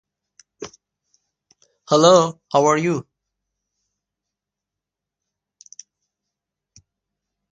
او بلند بالا و نسبتا لاغر است.